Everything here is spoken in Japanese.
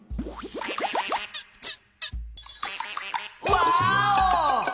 ワーオ！